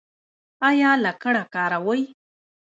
ایا لکړه کاروئ؟